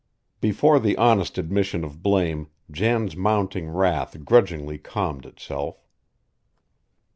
Before the honest admission of blame, Jan's mounting wrath grudgingly calmed itself.